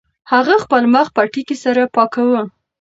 هغه خپل مخ پټکي سره پاکاوه.